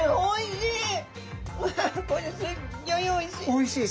おいしい？